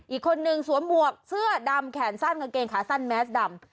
อีกคนนึงสวมหมวกเสื้อดำแขนสั้นกางเกงขาสั้นแมสดำ